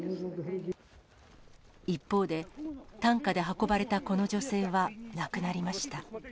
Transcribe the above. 一方で、担架で運ばれたこの女性は、亡くなりました。